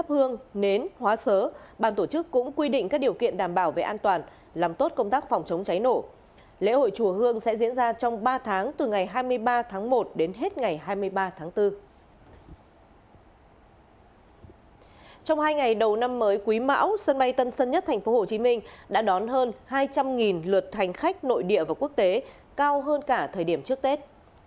trong hai ngày đầu năm mới quý mão sân bay tân sân nhất tp hcm đã đón hơn hai trăm linh lượt thành khách nội địa và quốc tế cao hơn cả thời điểm trước tết